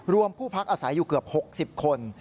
ผู้พักอาศัยอยู่เกือบ๖๐คน